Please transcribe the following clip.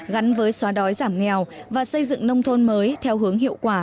gắn với xóa đói giảm nghèo và xây dựng nông thôn mới theo hướng hiệu quả